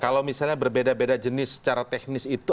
kalau misalnya berbeda beda jenis secara teknis itu